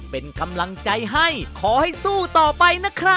เป็นกำลังใจให้ขอให้สู้ต่อไปนะครับ